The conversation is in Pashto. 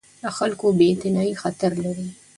د خلکو بې اعتنايي خطر لري